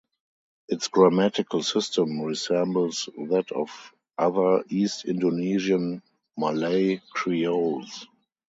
Its grammatical system resembles that of other East Indonesian Malay Creoles.